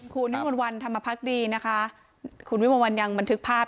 คุณวิมวลวันธรรมพักดีนะคะคุณวิมวลวันยังบันทึกภาพ